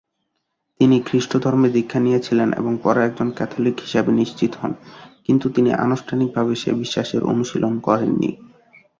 তিনি খ্রিস্ট ধর্মে দীক্ষা নিয়েছিলেন এবং পরে একজন ক্যাথলিক হিসাবে নিশ্চিত হন, কিন্তু তিনি আনুষ্ঠানিকভাবে সে বিশ্বাসের অনুশীলন করেননি।